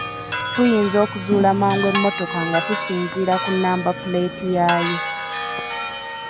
Tuyinza okuzuula mangu emmotoka nga tusinziira ku nnamba puleeti yaayo.